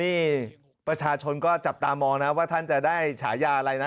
นี่ประชาชนก็จับตามองนะว่าท่านจะได้ฉายาอะไรนะ